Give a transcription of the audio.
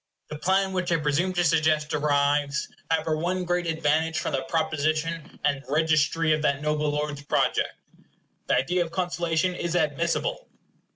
The plan which I shall presume to suggest derives, however, one great advantage from the proposition and registry of that noble lord's project. The idea of conciliation is admissible.